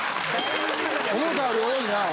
思たより多いなぁ。